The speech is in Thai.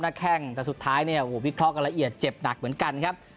แข้งแต่สุดท้ายเนี่ยโอ้โหวิเคราะห์กันละเอียดเจ็บหนักเหมือนกันครับ